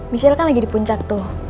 michelle kan lagi di puncak tuh